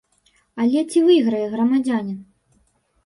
Але ці выйграе грамадзянін?